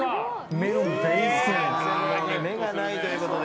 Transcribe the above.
メロンに目がないということで。